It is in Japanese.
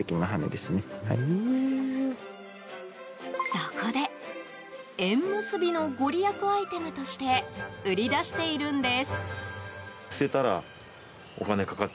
そこで、縁結びのご利益アイテムとして売り出しているんです。